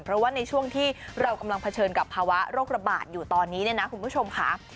เพราะว่าในช่วงที่เรากำลังเผชิญกับภาวะโรคระบาดอยู่ตอนนี้เนี่ยนะคุณผู้ชมค่ะ